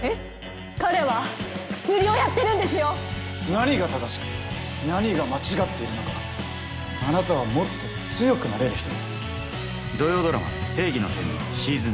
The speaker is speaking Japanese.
何が正しくて何が間違っているのかあなたはもっと強くなれる人だ。